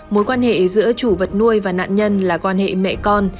mối quan hệ giữa chủ vật nuôi và nạn nhân là quan hệ mẹ con